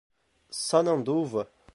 Sananduva